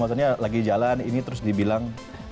maksudnya lagi jalan ini terus dibilang